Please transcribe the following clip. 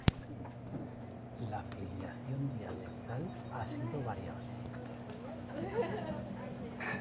La filiación dialectal ha sido variable.